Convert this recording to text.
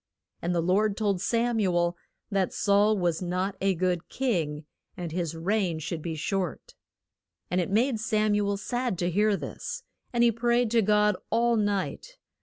And the Lord told Sam u el that Saul was not a good king, and his reign should be short. And it made Sam u el sad to hear this, and he prayed to God all night.